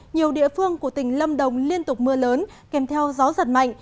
nhiều địa phương của tỉnh lâm đồng liên tục mưa lớn kèm theo gió giật mạnh